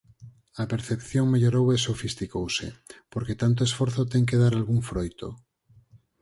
A percepción mellorou e sofisticouse, porque tanto esforzo ten que dar algún froito.